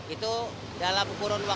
itu dalam kemampuan